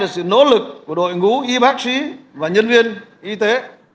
sự nỗ lực của y bác sĩ nhân viên y tế